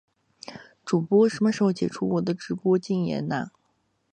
主播什么时候解除我的直播间禁言啊